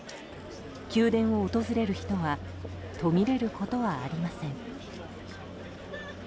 宮殿を訪れる人は途切れることはありません。